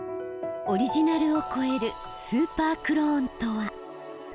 オリジナルを超えるスーパークローンとは？